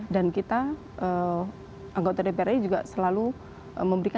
dan kita anggota dpr ri juga selalu memberikan